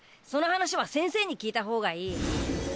その話は先生に聞いたほうがいい。